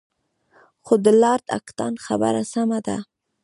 خو د لارډ اکټان خبره سمه ده.